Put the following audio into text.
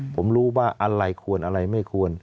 ผมรู้ว่าอะไรควรอะไรไม่ควร